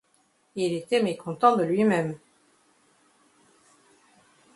Il était mécontent de lui-même.